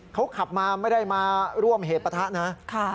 เขาขับมาไม่ได้มาร่วมเหตุประทะนะ